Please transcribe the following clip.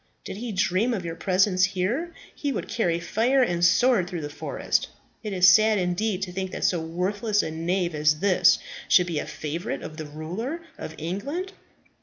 Did he dream of your presence here, he would carry fire and sword through the forest. It is sad indeed to think that so worthless a knave as this should be a favourite of the ruler of England.